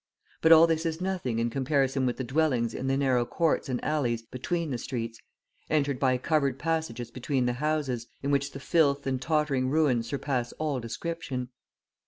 But all this is nothing in comparison with the dwellings in the narrow courts and alleys between the streets, entered by covered passages between the houses, in which the filth and tottering ruin surpass all description.